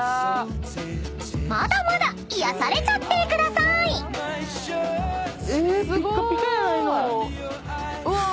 ［まだまだ癒やされちゃってくださーい］うわ！